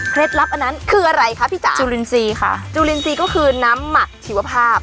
ลับอันนั้นคืออะไรคะพี่จ๋าจุลินทรีย์ค่ะจุลินทรีย์ก็คือน้ำหมักชีวภาพ